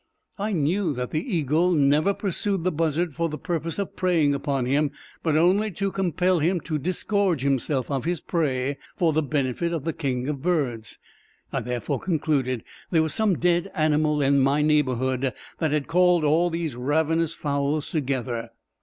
I knew that the eagle never pursued the buzzard for the purpose of preying upon him, but only to compel him to disgorge himself of his own prey for the benefit of the king of birds. I therefore concluded that there was some dead animal in my neighborhood that had called all these ravenous fowls together.